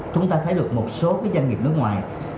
chúng ta thấy được một số doanh nghiệp nước ngoài